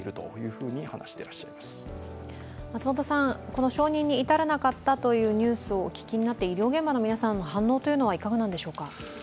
この承認に至らなかったというニュースをお聞きになって医療現場の皆さんの反応はいかがなんでしょうか？